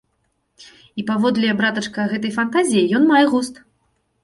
І паводле, братачка, гэтай фантазіі ён мае густ.